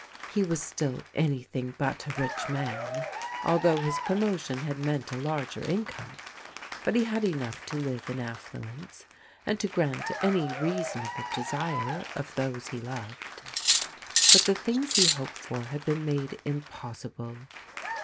He was still anything but a rich man, although his promotion had meant a larger income; but he had enough to live in affluence, and to grant any reasonable desire of those he loved. But the things he hoped for had been made impossible.